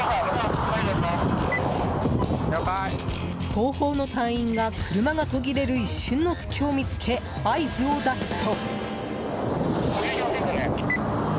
後方の隊員が車が途切れる一瞬の隙を見つけ合図を出すと。